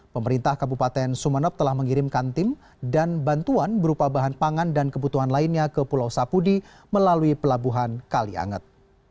pemerintah kabupaten sumeneb telah mengirimkan tim dan bantuan berupa bahan pangan dan kebutuhan lainnya ke pulau sapudi melalui pelabuhan kalianget